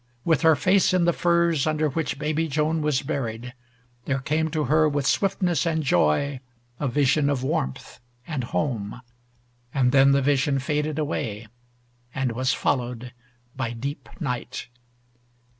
With her face in the furs under which baby Joan was buried, there came to her with swiftness and joy a vision of warmth and home. And then the vision faded away, and was followed by deep night.